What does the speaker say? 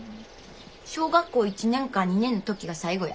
小学校１年か２年の時が最後や。